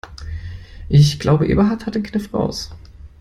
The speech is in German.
Ich glaube, Eberhard hat den Kniff raus.